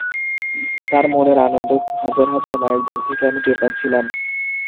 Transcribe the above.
তাঁর মনের আনন্দ হাজার হাজার মাইল দূর থেকে আমি টের পাচ্ছিলাম।